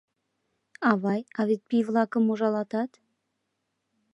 — Авай, а вет пий-влакым ужалатат?